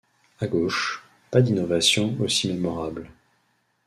À gauche, pas d’innovations aussi mémorables.